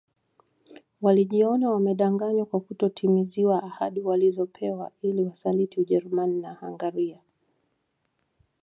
Walijiona wamedanganywa kwa kutotimiziwa ahadi walizopewa ili Wasaliti Ujerumani na Hungaria